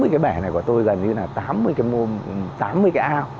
tám mươi cái bể này của tôi gần như là tám mươi cái môn tám mươi cái ao